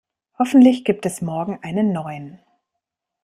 Hoffentlich gibt es morgen einen neuen.